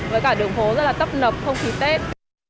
với cả đường phố rất là tấp nập không khí tết